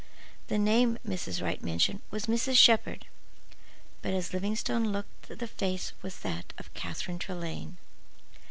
The name Mrs. Wright mentioned was "Mrs. Shepherd," but as Livingstone looked the face was that of Catherine Trelane.